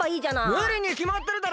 むりにきまってるだろ！